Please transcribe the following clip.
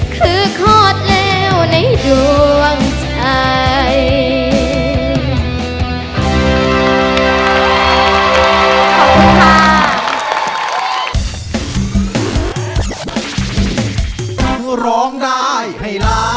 คือขอดเลวในดวงใจ